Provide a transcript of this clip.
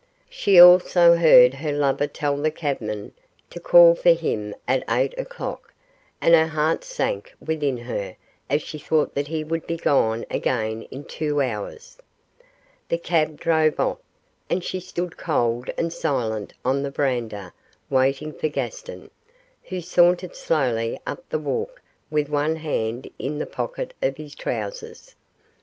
She also heard her lover tell the cabman to call for him at eight o'clock, and her heart sank within her as she thought that he would be gone again in two hours. The cab drove off, and she stood cold and silent on the verandah waiting for Gaston, who sauntered slowly up the walk with one hand in the pocket of his trousers.